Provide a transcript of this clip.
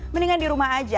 mendingan di rumah saja